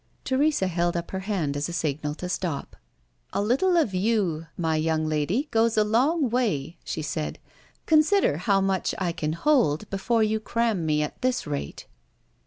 Teresa held up her hand as a signal to stop. "A little of You, my young lady, goes a long way," she said. "Consider how much I can hold, before you cram me at this rate."